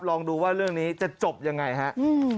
ลองดูว่าเรื่องนี้จะจบอย่างไรครับ